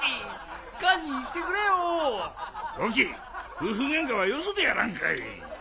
夫婦ゲンカはよそでやらんかい。